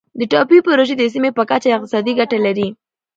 د ټاپي پروژه د سیمې په کچه اقتصادي ګټه لري.